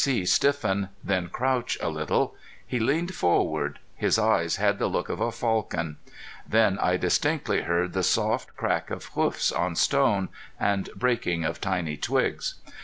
C. stiffen, then crouch a little. He leaned forward his eyes had the look of a falcon. Then I distinctly heard the soft crack of hoofs on stone and breaking of tiny twigs.